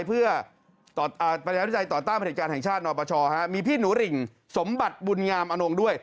ประชาธิบิตาต่อต้ามประหลักจาลแห่งชาตินปชมีพี่หนูหลิงสมบัติบุญงามอโน้งด้วย